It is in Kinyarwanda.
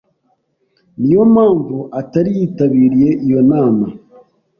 Niyo mpamvu atari yitabiriye iyo nama.